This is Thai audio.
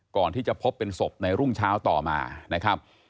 ก่อนที่จะพบเป็นศพในรุ่งเช้าต่อมานะครับ